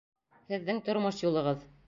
Һеҙҙең тормош юлығыҙ!